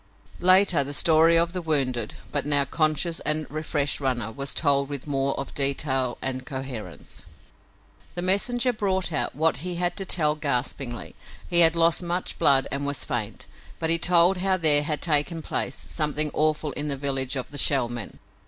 Later the story of the wounded, but now conscious and refreshed runner, was told with more of detail and coherence. The messenger brought out what he had to tell gaspingly. He had lost much blood and was faint, but he told how there had taken place something awful in the village of the Shell Men.